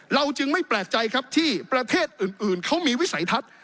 เราจึงไม่แปลกใจครับที่ประเทศอื่นเขามีวิสัยทัศน์